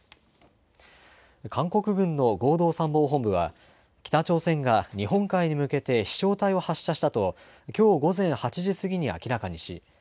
韓国軍の合同参謀本部は北朝鮮が日本海に向けて飛しょう体を発射したときょう午前８時過ぎに明らかにし